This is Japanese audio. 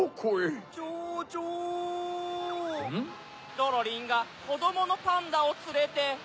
ドロリンがこどものパンダをつれて。